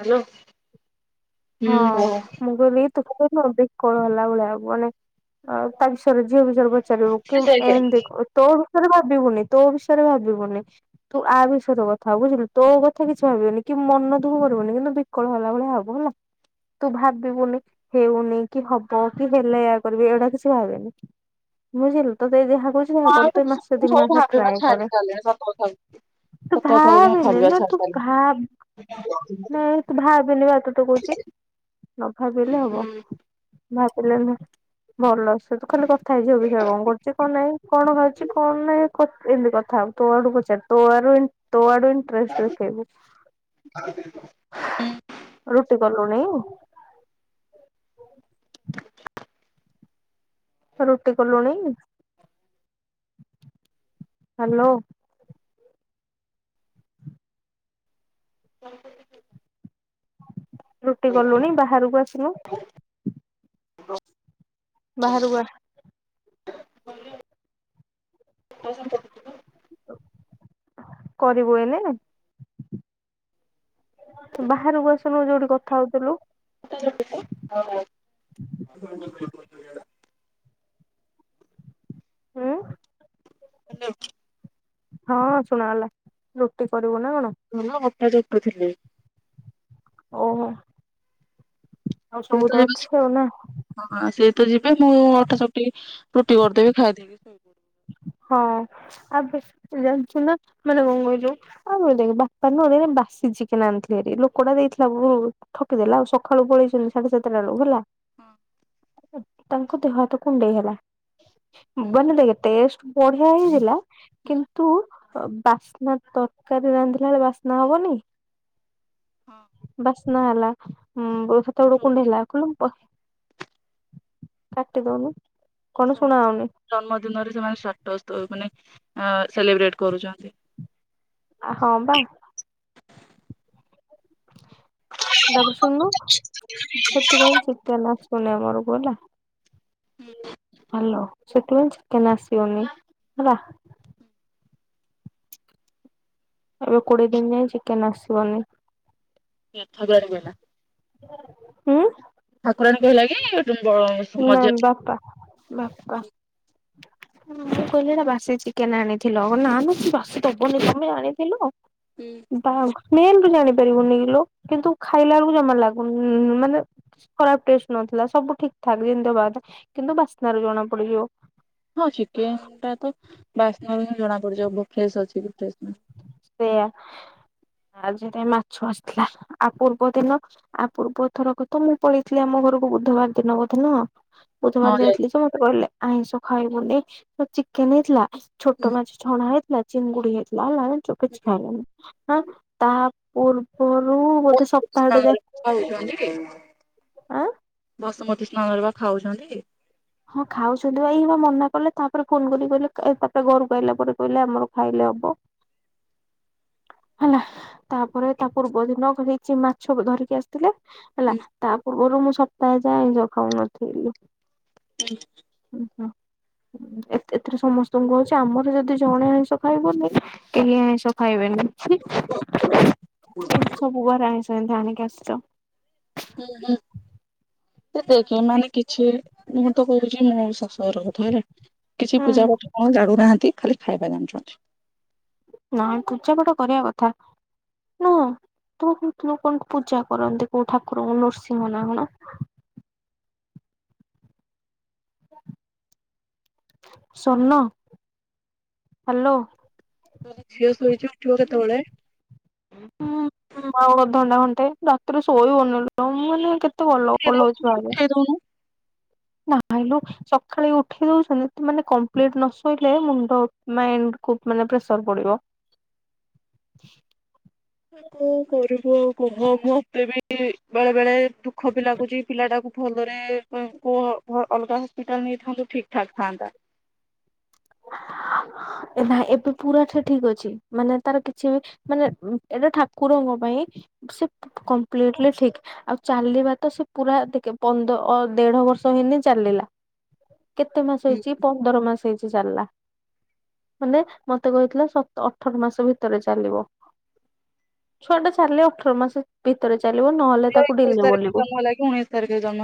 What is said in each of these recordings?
Hello. ହଁ। ମୁଁ କହିଲି କି ତୁ କୋଉ ଦିନ ବିକଳ ହେଲା ଭଳିଆ ମାନେ ଆଉ ତା ବିଷୟରେ ଝିଅ ବିଷୟରେ ଚାରିବୁ କି ଏ ସେଇଆ ଏମିତି ତୋ ବିଷୟରେ ଭାବିବୁନି ତୋ ବିଷୟରେ ଭାବିବୁନି। ତୁ ଆ ବିଷୟରେ କଥା ହବୁ ବୁଝିଲୁ ତୋ କଥା କିଛି ଭାବିବୁନି କି ମନ ଦୁଃଖ କରିବୁନି କିନ୍ତୁ ବିକଳ ହେଲା ଭଳିଆ ହବୁ ହେଲା। ତୁ ଭାବିବୁନି ହେଉନି କି ହବ କି ହେଲେ ଏଇୟା କରିବି ଏଇଗୁଡ଼ା କିଛି ଭାବେନି। ବୁଝିଲୁ ତତେ ଯାହା କହୁଚି ସେଇଆ କର। ଆଉ ତୁ ମାସ ସବୁ ଦି ମାସରେ ଭାବିବା ଟ୍ରାଏ ଛାଡି କରେ। ସାରିଲେଣି ସତ କଥା ସତ ତୁ କଥା କହୁଛି ମୁଁ ଭାବେନି ଭାବିବା ଲୋ ଛାଡି ତୁ ସାରିଲିଣି। ଭାବ [inaudible] ନାଇଁ ତୁ ଭାବେନି ପା ତତେ କହୁଚି। ନ ଭାବିଲେ ହବ। ଭାବିଲେ ନୁ ଭଲ ସେ ତୁ ଖାଲି କଥା ହେଇଯିବୁ ଝିଅ ବିଷୟରେ କଣ କରୁଚି କଣ ନାଇଁ କଣ ଖାଉଚି କଣ ନାଇଁ। ତ୍ ଏମିତି କଥା ହବୁ ତୋ ଆଡୁ ପଚାର ତୋ ଆଡୁ ଇନ୍ ତୋ ଆଡୁ ଇଁ ଟ୍ରଷ୍ଟ ଦେଖେଇବୁ। ରୁଟି କଲୁଣି? [inaudible] ରୁଟି କୁଲୁଣି? ହାଲୋ। ରୁଟି କଲୁଣି? ବାହାରୁକୁ ଆସୁନୁ। [inaudible] ବାହାରୁକୁ ଆ। [unintelligible] [inaudible] କରିବୁ ଏଇନେ? ବାହାରୁକୁ ଆସୁନୁ ଯୋଉଠି କଥା ହଉଥିଲୁ। [inaudible] ଉଁ? ହଁ ଶୁଣାଗଲା। ରୁଟି କରିବୁ ନା କଣ? ମୁଁ ନା ଅଟା ଚକଟୁଥିଲି। ଓ ହୋ। [unintelligible] ହଁ ସିଏ ତ ଯିବେ ମୁଁ ଅଟା ଚକଟି କି ରୁଟି କରିଦେବି ଖାଇଦେଇକି ଶୋଇବି। ହଁ ଆବେସ୍ ଜାଣିଚୁ ନା ମାନେ କଣ କହିଲୁ? [unintelligible] ବାପା ନୁହେ ବାସି ଚିକେନ୍ ଆଣିଥିଲେ ହରି ଲୋକଟା ଦେଇଥିଲା ଭୁଲ। ଠକି ଦେଲା ଆଉ ସକାଳୁ ପଳେଇଚନ୍ତି ସାଢେ ସାତଟା ବେଳୁ ହେଲା। ହଁ। ଉଁ ତାଙ୍କ ଦେହ ହାତ କୁଣ୍ଡେଇ ହେଲା ହୁଁ ମୁଁ କହିଲି ଦେଖେ ଟେଷ୍ଟ ବଢିଆ ହି ହେଲା ହୁଁ କିନ୍ତୁ ଅ ବାସ୍ନା ତରକାରୀ ରାନ୍ଧିଲା ବେଳେ ବାସ୍ନା ହବନି ହଁ ବାସ୍ ସ୍ନା ହେଲା ଉଁ ରୋ ସେତବେଳକୁ ପୁଣି ଦେଖିଲା କହିଲା ମୁଁ ପ କାଟି ଦଉନୁ କଣ ଶୁଣା ଯାଉନି। ଜନ୍ମଦିନରେ ସେମାନେ ଷ୍ଟାଟସ୍ ଦଉ ମାନେ ଅଁ ସେଲିବ୍ରେଟ କରୁଚନ୍ତି। ଆ ହଁ ବା। ତାପରେ ଶୁଣୁନୁ। ସେଥିପାଇଁ ଚିକେନ୍ ଆସୁନି ଆମ ଘରୁକୁ ହେଲା। ହାଲୋ ସେଥିପାଇଁ ଚିକେନ୍ ଆସିବନି ହେଲା। ଏବେ କୋଡିଏ ଦିନି ଯାଏଁ ଚିକେନ ଆସିବନି। ଏଥ ଦୁଆରୁ ଗଲା। ହୁଁ? ଠାକୁରାଣୀ କହିଲା କି ତୁମ୍ ବ ଉ ନାଇଁ ବାପା ବାପା। [unintelligible] ମୁଁ କହିଲି ଏଇଟା ବାସି ଚିକେନ ଆଣିଥିଲ କହିଲେ ନା ନା ସେ ବାସି ଦବନି ତମେ ଆଣିଥିଲ। ହୁଁ। ବା ସ୍ମେଲ ରୁ ଜାଣିପାରିବୁନି ଲୋକ କିନ୍ତୁ ଖାଇଲା ବେଳକୁ ଜମା ଲାଗୁନି ଉଁ ମାନେ ଖରାପ ଟେଷ୍ଟ ନ ଥିଲା ସବୁ ଠିକ୍ ଠାକ୍ ଯିମତି ହବା କଥା କିନ୍ତୁ ବାସ୍ନାରୁ ଜଣା ପଡିଯିବ। ହଁ ଚିକେନ ଟା ତ ବାସ୍ନାରୁ ହିଁ ଜଣା ପଡିଯିବ ବ ଫ୍ରେସ୍ ଅଛି କି ଫ୍ରେସ୍ ସେଇଆ ଆଜି ଟିକେ ମାଛ ଆସିଥିଲା ଆଉ ପୂର୍ବ ଦିନ ଆ ପୂର୍ବ ଥର କ ତ ମୁଁ ପଳେଇଥିଲି ଆମ ଘରୁକୁ ବୁଧବାର ଦିନ ବୋଧେ ନୁହଁ। ହଁ ବୁଧବାର ଯାଇ ଯାଇଥିଲି ସେ ମତେ କହିଲେ ଆଇଁଷ ଖାଇବୁନି ଅ ଚିକେନ ହେଇଥିଲା। ଛୋଟ ମାଛ ଛଣା ହେଇଥିଲା ଚିଙ୍ଗୁଡ଼ି ହେଇଥିଲା ହେଲା ଜାଣିଚୁ କିଛି ଖାଇଲିନି। ହଁ ତାହା ପୂର୍ବରୁ ବୋଧେ ସପ୍ତାହେ ଟେ ଯାଏ ସ୍ନାନରେ ଆଁ? ବାସୁମତୀ ସ୍ନାନରେ ବା ଖାଉଚନ୍ତି। ହଁ ଖାଉଛନ୍ତି ବା ଇଏ ବା ମନା କଲେ ତାପରେ ଫୋନ କରିକି କହିଲେ ଏ ତାପରେ ଘରୁକୁ ଆଇଲା ପରେ କହିଲେ ଆମର ଖାଇଲେ ହବ। ହ ହେଲା। ତାପରେ ତା ପୂର୍ବ ଦିନ କ ହେଇଚି ମାଛ ବ ଧରିକି ଆସିଥିଲେ ହେଲା ତା ପୂ ଗୁରୁ ମୁଁ ସପ୍ତାହେ ଯାଏଁ ଆଇଁଷ ଖାଉନଥିଲି। ହୁଁ। ଉଁ ହଁ ଉଁ ଏ-ଏଥିରେ ସମସ୍ତଙ୍କୁ ହଉଚି ଆମର ଯଦି ଜଣେ ଆଇଁଷ ଖାଇବନି କେହି ଆଇଁଷ ଖାଇବେନି। ହୁଁ ସବୁ ଘରେ ଆଇଁଷ ଏମତି ଆଣିକି ଆସିଚ। ହୁଁ ହୁଁ। ଏ ଦେଖେ ମାନେ କିଛି ମୁଁ ତ କହୁଚି ମୋ ଶାଶୁ ଘର କଥା ହେଲା। କିଛି ହୁଁ ପୂଜା ପାଠ କଣ ଜାଣୁନାହାନ୍ତି ଖାଲି ଖାଇବା ଜାଣିଛନ୍ତି। ନାଇଁ ପୂଜା ପାଠ କରିଆ କଥା। ନୁହଁ ତୁ କହୁଥିଲୁ କଣ ପୂଜା କରନ୍ତି କୋଉ ଠାକୁରଙ୍କୁ ନୃସିଂହ ନା କଣ? [unintelligible] ସୋନୁ ହାଲୋ। ଝିଅ ଶୋଇଛି ଉଠିବ କେତେବେଳେ? ହୁଁଁ ଆଉ ଅଧଣ୍ଟା ଘଣ୍ଟେ ରାତିରେ ଶୋଇ ହଉନି ଲୋ ତମେ ମାନେ କେତେ ଏତେ ଭଲ ଉଠେଇ ଭଲ ଦଉନୁ ହଉଛ ଆରେ ଉଠେଇ ଦଉନୁ। ନହିଁ ସକାଳେ ଉଠି ଦଉଛନ୍ତି ମାନେ କମ୍ପ୍ଲିଟ ନ ଶୋଇଲେ ମୁଣ୍ଡ ମାଇଣ୍ଡ କୁ ମାନେ ପ୍ରେସର ପଡିବ। କଣ କରିବୁ ଆଉ କୁହ ମୁଁ ମତେ ବି ବେଳେ ବେଳେ ଦୁଃଖ ବି ଲାଗୁଛି ପିଲାଟାକୁ ଭଲରେ ଅଲଗା ହସ୍ପିଟାଲ ନେଇଥାନ୍ତୁ ଠିକ୍ ଠାକ୍ ଥାନ୍ତା। [unintelligible] ନାଇଁ ଏବେ ପୁରା ଠିକ୍ ହେଇଯାଇଚି, ମାନେ ତାର କିଛି ବି ମାନେ ଏଇଟା ଠାକୁରଙ୍କ ପାଇଁ ସେ କମ୍ପ୍ଲିଟଲି ଠିକ୍ ଆଉ ଚାଲିବା ତ ସେ ପୁରା ଟେ ପନ୍ଦର ଦେଢ ବର୍ଷ ହେଇନି ଚାଲିଲା। କେତେ ମାସ ହେଇଛି ପନ୍ଦର ମାସ ହେଇଛି ଚାଲିଲା। ମାନେ ମତେ କହିଥିଲା ସତ- ଅଠର ମାସ ଭିତରେ ଚାଲିବ। ଛୁଆ ଟା ଚାଲିଲେ ଅଠର ମାସ ଭିତରେ ଚାଲିବ ନହେଲେ ତାକୁ ଏକୋଇଶ ଡିଲ ତାରିଖ ବୋଲିବୁ, ଜନ୍ମ ହେଲା କି ଉଣେଇଶ ତାରିଖରେ ଜନ୍ମ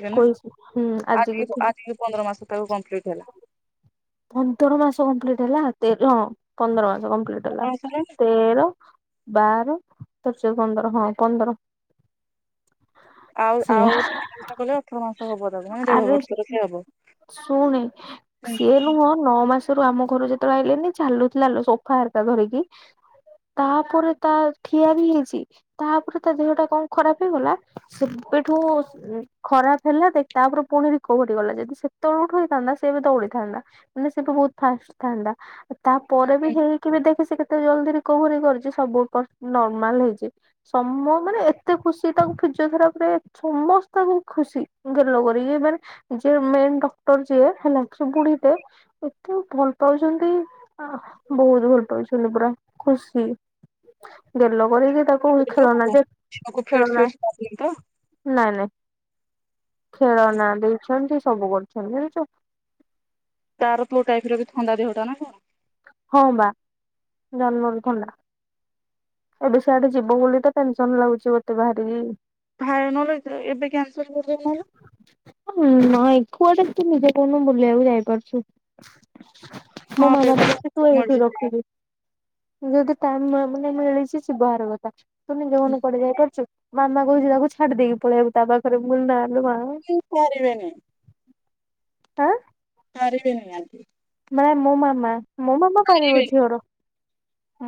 ଏକୋଇ ହୁଁ ଆଜି କି ଆଜିିକ ପନ୍ଦର ମାସ ତାକୁ କମ୍ପ୍ଲିଟ୍ ହେଲା। ପନ୍ଦର ମାସ କମ୍ପ୍ଲିଟ ହେଲା? ହଁ ପନ୍ଦର ମାସ କମ୍ପ୍ଲିଟ ହେଲା ମାସ ହେଲାଣି ତେର ବାର ତାରଶ ପନ୍ଦର ହଁ ପନ୍ଦର ଆଉ ସେଇଆ ଆଉ ତିନି ଅଠର ମାସ ହବ ତାକୁ ମାନେ ଦେଢ ବର୍ଷର ସେ ହବ। ଶୁଣୁ ହୁଁ। ସିଏ ନୁହଁ ନଅ ମାସରୁ ଆମ ଘର ଯେତେବେଳେ ଆଇିଲନି ଚାଲୁଥିଲା ସୋଫା ହରକା ଧରିକି ତାପରେ ତା ଠିଆ ବି ହେଇଛି, ତାପରେ ତା ଦେହ ଟା କଣ ଖରାପ ହେଇଗଲା। ସେବେଠୁ ଖରାପ ହେଲା ଦେଖ ତାପରେ ପୁଣି ରିକଭରି ଗଲା ଯଦି ସେତେବେଳେ ଉଠୁ ହେଇଥାନ୍ତା ସେ ଏବେ ଦେଇ ଥାନ୍ତା। ମାନେ ସେ ବି ବୋହୁତ୍ ଫାଷ୍ଟ ଥାନ୍ତା ତାପରେ ବି ହେଇ କେ ଦେଖି କେତେ ଜଲଦି ରିକଭରି କରିଛି ସବୁ ନର୍ମାଲ ହେଇଛି। ସମ ମାନେ ଏତେ ଖୁସି ତାଙ୍କୁ ଫିଜିଓଥେରାପି ରେ ସମସ୍ତଙ୍କୁ ଖୁସି ଗେଲ କରି ମାନେ ଯିଏ ମେନ୍ ଡକ୍ଟର ଯିଏ ହେଲା କି ବୁଢୀ ଟେ ଏତେ ଭଲ ପାଉଛନ୍ତି ବହୁତ ଭଲ ପାଉଛନ୍ତି ପୁରା ଖୁସି ଗେଲ କରିକି ତାକୁ ଖେଳନା ଯେ ତାକୁ ଫିଡ୍ସ ଖେଳନା ଫିଡ୍ସ ଦଉନି ତ ନାଇଁ ନାଇଁ ଖେଳନା ଦେଇଛନ୍ତି ସବୁ କରୁଛନ୍ତି ଜାଣିଚୁ। ତାର ତୋ ଟାଇପ୍ ର ବି ଥନ୍ଦା ଦେହଟା ନା କଣ? ହଁ ବା ଜନ୍ମରୁ ଥଣ୍ଡା। ଏବେ ସିଆଡେ ଯିବ ବୋଲି ତ ଟେନ୍ ସନ୍ ଲାଗୁଛି ଗୋଟେ ବାହାରିକି ଭାଇ ନ ଏବେ କ୍ୟାନସଲ୍ କର ନଲେ। ହଁ ନାଇଁ କୁଆଟେ ତୁ ନିଜେ କହନି ମୁ ବୁଲିବାକୁ ଯାଇପାରୁଛୁ। ମୋ ହଁ ପେ ମାମା ତ ତାକୁ କହୁଛି ତୁ ଏଇଠି ମର୍ଜିଥିଲା। ରଖିଦେ, ଯଦି ଟାଇମ୍ ମାନେ ମିଳିଛି ସେ ବାହାର କଥା। ତୁ ନିଜ ମନେ କୁଆଡ଼େ ଯାଇ ପାରୁଛୁ ମାମା କହୁଛି ତାକୁ ଛାଡି ଦେଇକି ପଳେଇବାକୁ ତା ପାଖରେ ମୁଁ ନାଁ ମା ସେ କୁଆଡେ ଯିବେନି। ଆଁ। ସାର ବିିନ ଆନ୍ତି। ନା ମୋ ମାମା ମୋ ମାମା ପାରିବ ପାରିବେନି ଝିଅର।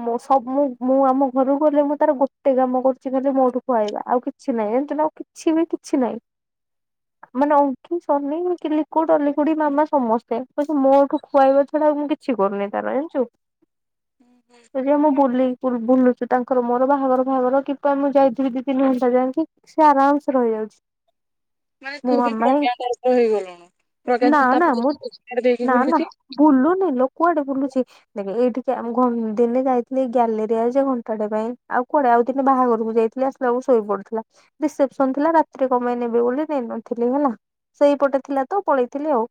ମୁଁ ସବ ମୁ ମୁଁ ଆମ ଘରୁକୁ ଗଲେ ମୁଁ ତାର ଗୋଟେ କାମ କରୁଚି ଖଲି ମୋଠୁ ଖୁଆଇବା ଆଉ କିଛି ନାହିଁ ଜାଣିଚୁନା। କିଛି ବି କିଛି ନାହିଁ। ଁ ମାନେ ଅଙ୍କି ସନି ଲିକୁ ଡଲିଖୁଡି, ମାମା ସମସ୍ତେ ବାକି ମୋଠୁ ଖୁଆଇବା ଛଡା ମୁଁ କିଛି କରୁନି ତାର ଜାଣିଚୁ। ସେ ଯ ମୁଁ ବୁଲି ପୁର୍ ବୁଲୁଚୁ। ତାଙ୍କର ମୋର ବାହାଘର ଫାହାଘର କିପ ମୁଁ ଯାଇଥିଲି ଦି ତିନି ଘଣ୍ଟା ଯାଇଁକି ସେ ଆରାମସେ ରହିଯାଉଚି। ମାନେ ତୁ ବି ପ୍ରଜ୍ଞା ପରିକା ହେଇଗଲୁଣୁ। ପ୍ରଜ୍ଞା ନା ନା ଯେମିତି ମୁଁ [inaudible] ତା ଛାଡ଼ି ଦେଇକି ନା ନା ବୁଲୁଚି ବୁଲୁନି ଲୋ କୁଆଡେ ବୁଲୁଚି? ଦେଖ ଏଇଠିକି ଆମ୍ ଘ ଦିନେ ଯାଇଥିଲି ଗ୍ୟାଲେରିଆ ଯେ ଘଣ୍ଟାଟେ ପାଇଁ ଆଉ କୁଆଡେ ଆଉ ଦିନେ ବାହାଘରକୁ ଯାଇଥିଲି ଖିଲା ବେଳକୁ ଶୋଇ ପଡିଥିଲା। ରିସେପସନ ଥିଲା ରାତିରେ କଣ ପାଇଁ ନେବି ବୋଲି ନେଇନଥିଲି ହେଲା। ସେଇପଟେ ଥିଲା ତ ପଳେଇଥିଲି ଆଉ।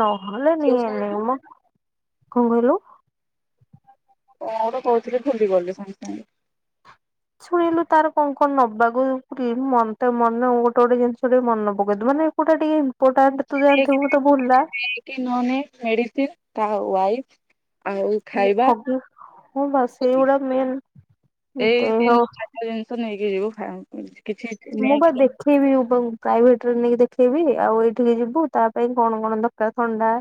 ନହଲେ ସିଏ ନିଏନି ସେମିତି ମ କଣ କହିଲୁ। କଣ ଗୋଟେ କହୁଥିଲି ଭୁଲି ଗଲି ସାଙ୍ଗେ ସାଙ୍ଗେ। ଶୁଣିଲୁ ତାର କଣ କଣ ନବାକୁ କ୍ରିମ ମନେତ ମାନେ ଗୋଟେ ଗୋଟେ ଜିନିଷ ଟିକେ ମନେ ପକେଇଦବୁ ମାନେ କୋଉଟା ଟିକେ ଇମ୍ପୋର୍ଟାଣ୍ଟ ତୁ ଜାଣିଥିବୁ ତ ଭୁଲା ନଲେ ମେଡିସି ତା ୱାଇପ୍ ଆଉ ଖାଇବା ହଗି ହଁ ବା ସେଇଗୁଡା ମେନ୍ ଦେହ ଏଇଟିନ୍ ଖା ଖାଇବା ଜିନିଷ ନେଇକି ଯିବୁ ଖାଇଁ କିଛି ମୁଁ ବା ନେଇକି ଯା ଦେଖେଇବି ତାକୁ ପ୍ରାଇଭେଟରେ ନେଇକି ଦେଖେଇବି ଆଉ ଏଇଠିକି ଯିବୁ ତା ପାଇଁ କଣ କଣ ଦରକାର ଥଣ୍ଡା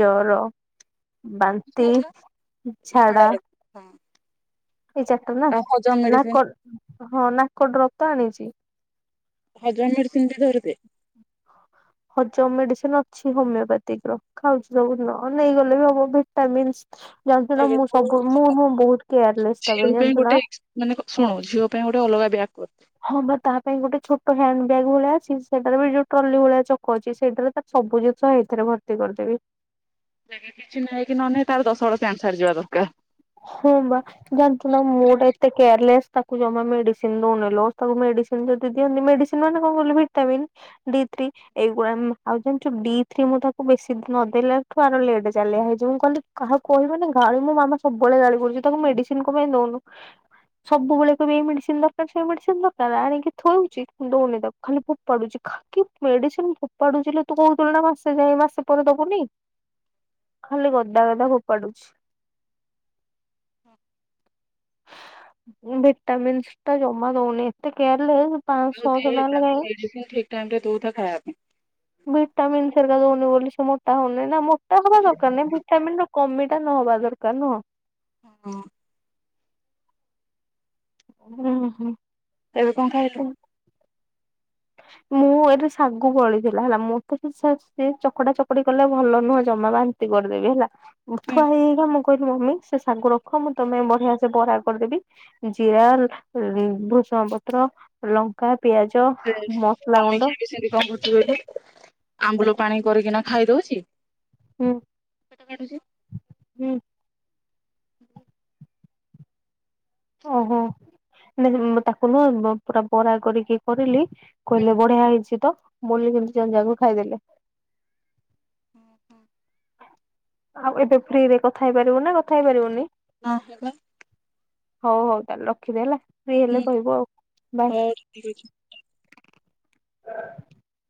ଜର, ବାନ୍ତି, ଯାଇଥିବୁ ନା ଝାଡ଼ା। ଝାଡା ରହିବୁ। ହଁ ଏଇ ଚାରିଟା ନା ଆଉ ହଜମ ମେଡିସିନ ନାକ ହଁ ନାକ ଡ୍ରପ ତ ଆଣିଚି। ହଜମ ମେଡିସିନ ବି ଧରି ଦେ। ହଜମ ମେଡିସିନ ଅଛି ହୋମିଓପାତିିକ ର। ଖାଉଚି ସବୁନଉ ନେଇଗଲେ ବି ହମ ଭିଟାମିନ୍ସ ଜାଣିଚୁ ନା ମୁଁ ସବୁ ମୁଁଁ ମୁଁ ବହୁତ କେୟାରଲେସ୍ ତା ପାଇଁ ଝିଅ ଜାଣିଚୁ ଗୋଟେ ନା? ଏକ୍ସ- ମାନେ ଶୁଣୁ ଝିଅ ପାଇଁ ଗୋଟେ ଅଲଗା ବ୍ୟାଗ କର। ହଁ ବା ତା ପାଇଁ ଗୋଟେ ଛୋଟ ହ୍ୟାଣ୍ଡ ବ୍ୟାଗ୍ ଭଳିଆ ଅଛି, ସେଟାରେ ବି ଯୋଉ ଟ୍ରଲି ଭଳିଆ ଚକ ଅଛି ସେଇଟାରେ ସବୁ ଜିନିଷ ହେଇଥିରେ ଭର୍ତ୍ତି କରିଦେବି। ଏବେ କିଛି ନ କି ନ ନ ତାର ଦଶ ବଳ ପ୍ୟାଣ୍ଟ ସାର୍ଟ ଯିବା ଦରକାର। ହଁ ବା ଜାଣିନ୍ତୁ ନା ମୁଁ ଟା ଏତେ କେୟାରଲେସ୍ ତାକୁ ଜମା ମେଡିସିନ ଦଉନି ଲୋ ତାକୁ ମେଡିସିନ ଯଦି ଦିଅନ୍ତି ମେଡିସିନ ମାନେ କଣ କହିଲ ଭିଟାମିନ ଡି ଥ୍ରି। ଏଇଗୁଡ଼ା ଆଉ ଜାଣିଚୁ ଡି ଥ୍ରୀ ମୁଁ ତାକୁ ବେଶୀ ନଦେଲା ଠୁ ଆର ଲେଟ ଚାଲିଆ ହେଇଚି ମୁଁ କହିଲି କାହା କହିବନି। ଗାଳି ମୋ ମାମା ସବୁବେଳେ ଗାଳି କରୁଚି ତାକୁ ମେଡିସିନ କଣ ପାଇଁ ଦଉନୁ? ସବୁବେେଳେ କଇବେ ଏ ମେଡିସିନ ଦରକାର ସେଇ ମେଡିସିନ ଦରକାର। ଆଣିକି ଥଉଚି ଦଉନି ତାକୁ। ଖାଲି ଫୋପାଡୁଚି ଖା କି ମେଡିସିନ ଫୋପାଡୁଚି ଲୋ। ତୁ କହୁଥିଲୁ ନା ମାସେ ଯାଇଏ ମାସେ ପରେ ଦବୁନି। ଖାଲି ଗଦା ଗଦା ଫୋପାଡୁଚି। ହୁଁ। ଭଟାମିନ୍ସ ଟା ଜମା ଦଉନି। ଏତେ କେୟାରଲେସ ତାକୁ ଦେହରେ ତାକୁ ମେଡିସିନ ଠିକ ଟାଇମ ରେ ଦଉଥା ଖାଇବା ପାଇଁ। ଭିଟାମିନ ହରିକା ଦଉନି ବୋଲି ସେ ମୋଟା ହଉନି ନା ମୋଟା ହବା ଦରକାର ନାଇଁ ଭିଟାମିନ ର କମି ମୋଟା ନହବା ଦରକାର ନୁହ। ହୁଁ ହ। ହୁଁ ହୁଁ। ଏବେ କଣ ଖାଇଲୁ? ମୁଁ ଏଠି ଶାଗୁ ଵଳିଥିଲା ହେଲା ମୋତେ ସେ ଚକଡା ଚକଡି କଲେ ଭଲ ନୁହେଁ ଜମା ବାନ୍ ନ୍ତି କରିଦେବି ହେଲା। ହୁଁ ମୁଥୁଆ ହେଇ ହେଇକିନା ମୁଁ କହିଲି ମମି ସେ ଶାଗୁ ରଖ ମୁଁ ତମେ ବଢିଆ ସେ ବରା କରିଦେବି ଜିରା, ଭୂସଙ୍ଗପତ୍ର, ଲଙ୍କା, ପିଆଜ ସେ ମସଲା ଗୁଣ୍ଡ ସମୀକ୍ଷା ବି ସେମିତି କଣ କରୁଛି କହିଲେ ଆମ୍ବୁଲ ପାଣି କରିକିନା ଖାଇଦଉଛି ହୁଁ ହୁଁ। ଓହୋ ତାକୁ ନୁହ ପୁରା ବରା କରିକି କରିଲି ହୁଁ। କହିଲେ ବଢିଆ ହେଇଛି ତ [unintelligible] ଦୁଇଜଣ ଯାକ ଖାଇଦେଲେ। ହଁ ଆଉ ଏବେ ଫ୍ରିରେ କଥା ହେଇ ପାରିବୁ ନା କଥା ହେଇ ପାରିବୁନି? ହଁ [unintelligible] ହଉ ହଉ ତାହେଲେ ରଖିଲି ହେଲା। ଫ୍ରି ହଁ ହେଲେ କହିବୁ ଆଉ ବାଏ। ହଉ ଠିକ ଅଛି।